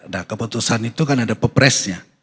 nah keputusan itu kan ada pepresnya